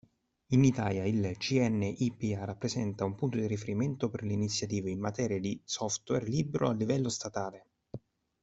In Italia il CNIPA rappresenta un punto di riferimento per le iniziative in materia di software libero a livello statale.